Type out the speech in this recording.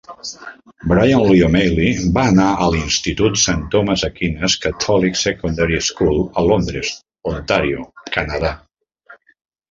Bryan Lee O'Malley va anar al institut Saint Thomas Aquinas Catholic Secondary School a Londres, Ontario, Canadà.